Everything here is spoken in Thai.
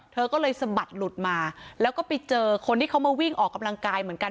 เธอก็เลยสะบัดหลุดมาแล้วก็ไปเจอคนที่เขามาวิ่งออกกำลังกายเหมือนกัน